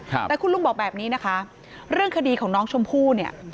แต่คุณลุงบอกแบบนี้นะคะเรื่องคดีของน้องชมพู่เนี่ย